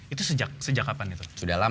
itu sejak kapan itu